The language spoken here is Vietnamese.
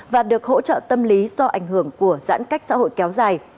và được hỗ trợ tâm lý do ảnh hưởng của giãn cách xã hội kéo dài